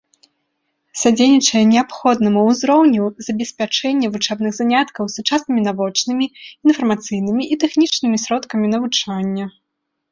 Садзейнічае неабходнаму ўзроўню забеспячэння вучэбных заняткаў сучаснымі навочнымі, інфармацыйнымі і тэхнічнымі сродкамі навучання.